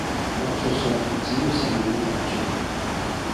學術上只要社會大眾